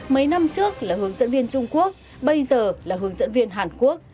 mấy năm trước là hướng dẫn viên trung quốc bây giờ là hướng dẫn viên hàn quốc